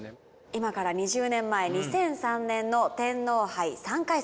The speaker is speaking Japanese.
今から２０年前２００３年の天皇杯３回戦。